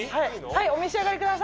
はいお召し上がりください。